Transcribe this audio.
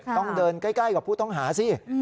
ต้องเดินใกล้กับผู้ต้องหาสิ